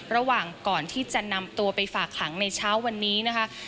ระหว่างก่อนที่จะนำตัวไปฝากขังในเช้าวันนี้นะคะ